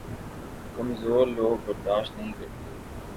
کمزور لوگ برداشت نہیں ہوتے